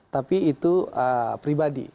tapi itu pribadi